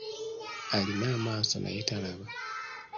Alina amaaso naye talaba.